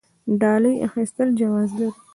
ډالۍ اخیستل جواز لري؟